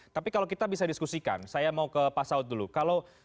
tapi kalau kita bisa diskusikan saya mau ke pak saud dulu